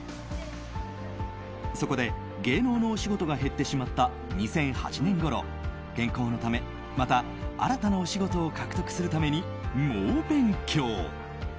そこで芸能のお仕事が減ってしまった２００８年ごろ健康のため、また新たなお仕事を獲得するために猛勉強。